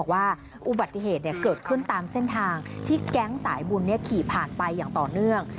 ว่าอุบัติเหตุเกิดขึ้นตามเส้นทางที่แก๊งสายบุญขี่ผ่านไปอย่างต่อเนื่อง